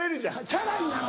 チャラになんの。